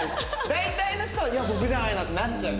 大体の人はいや僕じゃないなってなっちゃう。